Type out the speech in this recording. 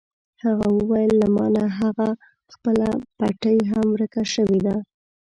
هغه وویل: له ما نه هغه خپله پټۍ هم ورکه شوې ده.